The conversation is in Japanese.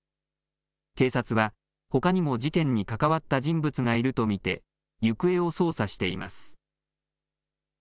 警察は、ほかにも事件に関わった人物がいると見て、行方を捜査しています。